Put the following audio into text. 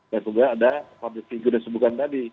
dan kemudian ada public figure yang sebutkan tadi